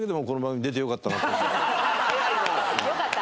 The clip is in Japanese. よかった。